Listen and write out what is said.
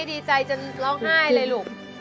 ดีใจจนร้องไห้เลยลูก